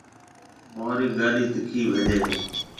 مهارِي گاڏِي تکِي ڀجي هيَ۔